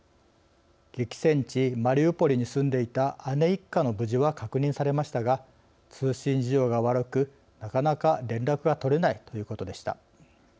激戦地マリウポリに住んでいた姉一家の無事は確認されましたが通信事情が悪く、なかなか連絡が取れないということでした。